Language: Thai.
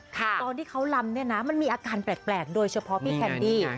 ตอนที่เขาลำเนี่ยนะมันมีอาการแปลกโดยเฉพาะพี่แคนดี้